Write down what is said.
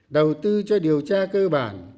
đầu tư cho điều tra cơ bản